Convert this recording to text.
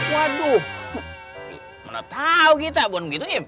waduh mana tahu kita buat begitu ya